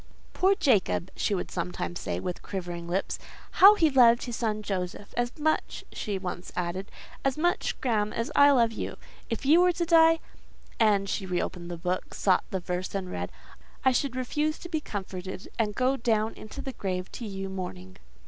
"Poor Jacob!" she would sometimes say, with quivering lips. "How he loved his son Joseph! As much," she once added—"as much, Graham, as I love you: if you were to die" (and she re opened the book, sought the verse, and read), "I should refuse to be comforted, and go down into the grave to you mourning."